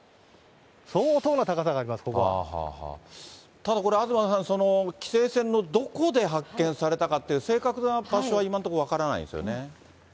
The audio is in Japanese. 相当な高さがあります、ただこれ、東さん、規制線のどこで発見されたかっていう、正確な場所は今のところ分からないんですよね。